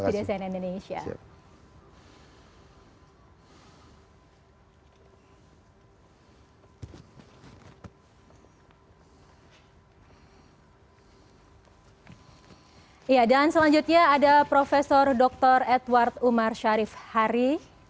dan selanjutnya ada prof dr edward umar sharif hari